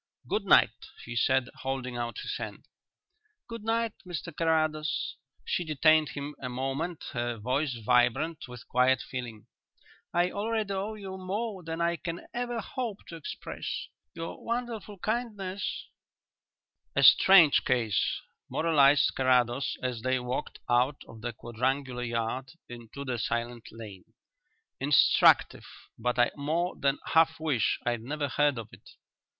"Good night," he said, holding out his hand. "Good night, Mr Carrados." She detained him a moment, her voice vibrant with quiet feeling. "I already owe you more than I can ever hope to express. Your wonderful kindness " "A strange case," moralized Carrados, as they walked out of the quadrangular yard into the silent lane. "Instructive, but I more than half wish I'd never heard of it."